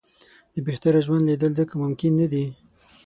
د بهتره ژوند لېدل ځکه ممکن نه دي.